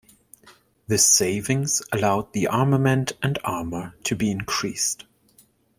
This savings allowed the armament and armor to be increased.